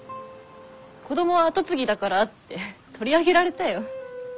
子供は跡継ぎだからって取り上げられたよ。